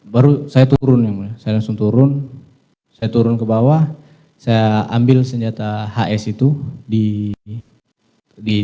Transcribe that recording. baru saya turun yang mulia saya langsung turun saya turun ke bawah saya ambil senjata hs itu di